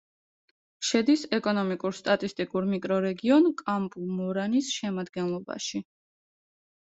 შედის ეკონომიკურ-სტატისტიკურ მიკრორეგიონ კამპუ-მორანის შემადგენლობაში.